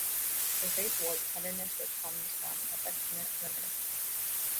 Her face wore the tenderness which comes from affectionate reminiscence.